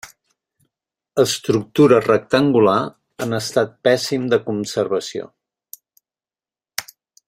Estructura rectangular en estat pèssim de conservació.